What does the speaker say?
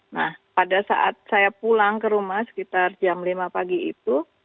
nah pada saat saya pulang ke rumah sekitar jam lima pagi itu